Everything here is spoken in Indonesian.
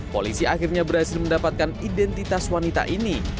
polisi akhirnya berhasil mendapatkan identitas wanita ini